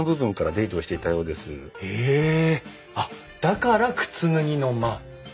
あっだから靴脱ぎの間。